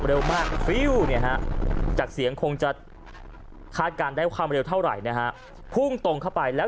เร็วมากฟิวเนี่ยฮะจากเสียงคงจะคาดการณ์ได้ความเร็วเท่าไหร่นะฮะพุ่งตรงเข้าไปแล้ว